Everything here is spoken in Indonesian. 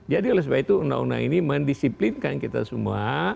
oleh sebab itu undang undang ini mendisiplinkan kita semua